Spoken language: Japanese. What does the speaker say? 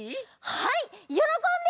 はいよろこんで！